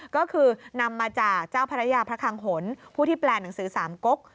ก็คือนำมาจากเจ้าพระยาพระคังหนผู้ที่แปลหนังสือสามกก